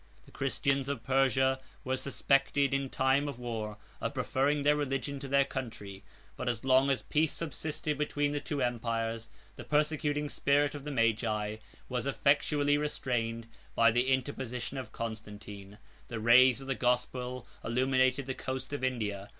The Christians of Persia were suspected, in time of war, of preferring their religion to their country; but as long as peace subsisted between the two empires, the persecuting spirit of the Magi was effectually restrained by the interposition of Constantine. 77 The rays of the gospel illuminated the coast of India.